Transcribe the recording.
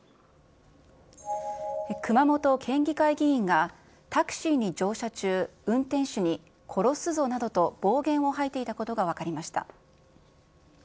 熊本県議会議員が、タクシーに乗車中、運転手に殺すぞなどと、暴言を吐いていたことが分かりました。